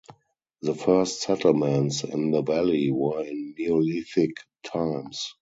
The first settlements in the valley were in Neolithic times.